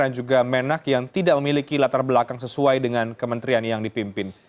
dan juga menak yang tidak memiliki latar belakang sesuai dengan kementerian yang dipimpin